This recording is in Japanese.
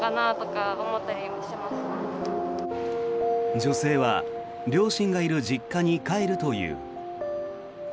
女性は両親がいる実家に帰るという。